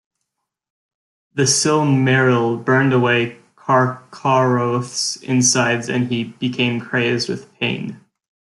The Silmaril burned away Carcharoth's insides, and he became crazed with pain.